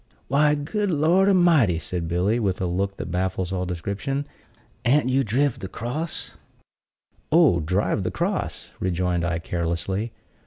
"Why, good Lord a'mighty!" said Billy, with a look that baffles all description, "an't you driv the cross?" "Oh, driv the cross!" rejoined I, carelessly.